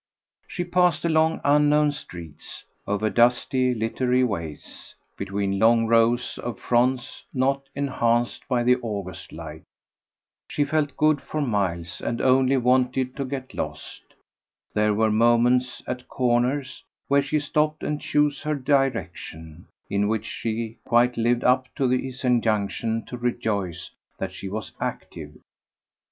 She passed along unknown streets, over dusty littery ways, between long rows of fronts not enhanced by the August light; she felt good for miles and only wanted to get lost; there were moments at corners, where she stopped and chose her direction, in which she quite lived up to his injunction to rejoice that she was active.